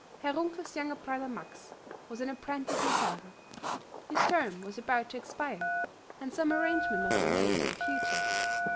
Herr Runkel's younger brother Max was an apprentice in Zara; his term was about to expire and some arrangement must be made for the future.